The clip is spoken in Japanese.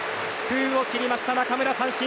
空を切りました中村、三振。